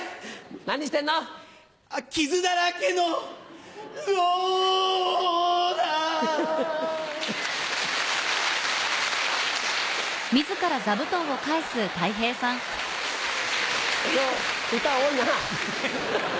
何してんの？傷だらけの。ローラー歌多いな。